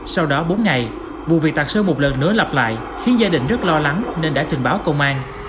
sau đó bốn ngày vụ việc tạc sơn một lần nữa lặp lại khiến gia đình rất lo lắng nên đã trình báo công an